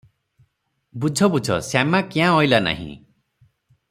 ବୁଝ ବୁଝ ଶାମା କ୍ୟାଁ ଅଇଲା ନାହିଁ ।